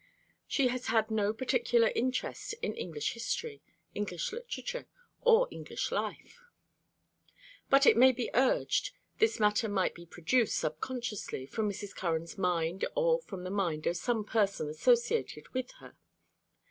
She has had no particular interest in English history, English literature or English life. But, it may be urged, this matter might be produced subconsciously, from Mrs. Curran's mind or from the mind of some person associated with her.